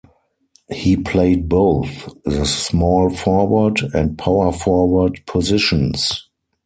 He played both the small forward and power forward positions.